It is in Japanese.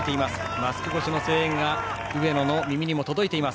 マスク越しの声援が上野の耳にも届いています。